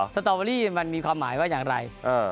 สตอเบอรี่มันมีความหมายว่าอย่างไร